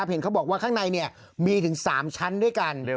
เห็นเขาบอกว่าข้างในมีถึง๓ชั้นด้วยกัน